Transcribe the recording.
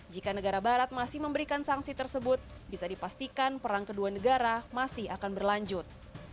jika negara barat masih memberikan sanksi tersebut bisa dipastikan perang kedua negara masih akan berlanjut